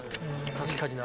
確かにな。